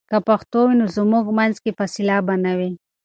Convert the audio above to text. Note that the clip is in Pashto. که پښتو وي، نو زموږ منځ کې فاصله به نه وي.